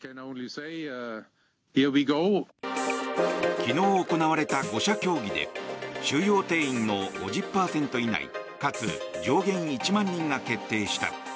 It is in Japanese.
昨日行われた５者協議で収容定員の５０％以内かつ上限が１万人が決定した。